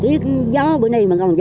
thời tiết gió bữa nay mà không bị hư